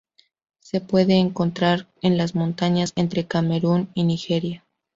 Se puede encontrar en las montañas entre Camerún y Nigeria.